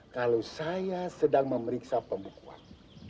kalau saya sedang memeriksa pembukuan